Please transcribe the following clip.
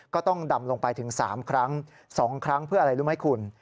ก็ต้องดำลงไปถึง๓ครั้ง๒ครั้งเพื่ออะไรรู้ไหมคุณ